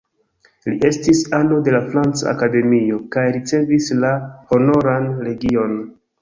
Li estis ano de la Franca Akademio kaj ricevis la Honoran Legion.